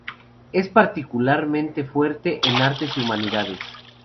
Es particularmente fuerte en Artes y Humanidades.